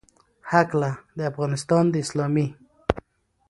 هکله، د افغانستان د اسلامي